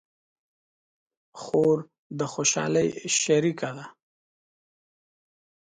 خور د خوشحالۍ شریکه ده.